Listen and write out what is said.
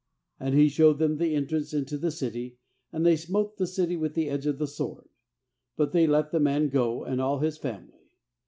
28And he showed them the entrance into the city, and they smote the city with the edge of the sword; but they let the man go and all his family.